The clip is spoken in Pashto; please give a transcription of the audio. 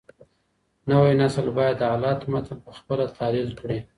نوی نسل بايد د حالاتو متن په خپله تحليل کړي.